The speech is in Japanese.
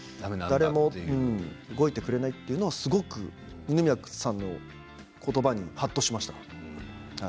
誰も動いてくれないっていうのを二宮さんの言葉にはっとしました。